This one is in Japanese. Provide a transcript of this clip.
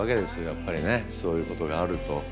やっぱりねそういうことがあると。